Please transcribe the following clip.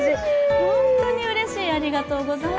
本当にうれしい、ありがとうございます。